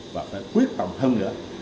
và phải quyết tầm thân nữa